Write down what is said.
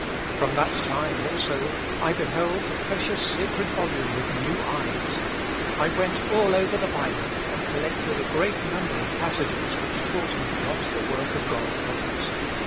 From that time, also, I beheld the precious sacred volume with new eyes. I went over all the Bible, and collected a great number of passages which taught me what the work of God was.